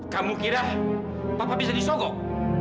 kamu kira papa bisa disogok